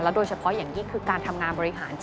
โดยเฉพาะอย่างยิ่งคือการทำงานบริหาร